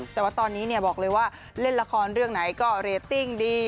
แต่ว่าตอนนี้บอกเลยว่าเล่นละครเรื่องไหนก็เรตติ้งดี